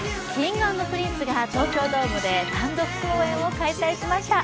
Ｋｉｎｇ＆Ｐｒｉｎｃｅが東京ドームで単独公演を開催しました。